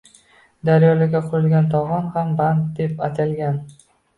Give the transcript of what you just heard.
Daryolarga qurilgan to‘g‘on ham band deb atalgan.